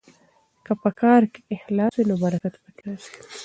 که په کار کې اخلاص وي نو برکت پکې راځي.